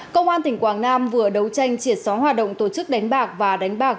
công an tỉnh quảng nam vừa đấu tranh triệt xóa hoạt động tổ chức đánh bạc và đánh bạc